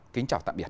kính chào tạm biệt